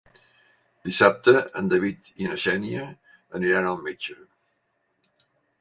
Dissabte en David i na Xènia aniran al metge.